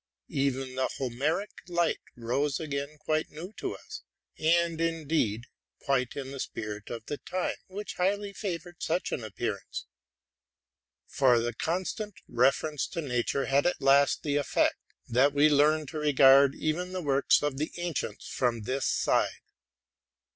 Even the Homeric light rose again quite new to us, and indeed quite in the spirit of the time, which highly favored such an appearance; for the constant reference to nature had at last the effect, that we learned to regard even the works of the ancients from this side.